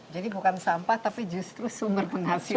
jadi bukan sampah tapi justru sumber penghasilan